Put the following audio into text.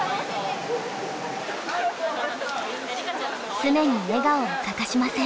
常に笑顔を欠かしません。